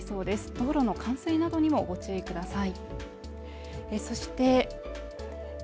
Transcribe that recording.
道路の冠水などにもご注意ください。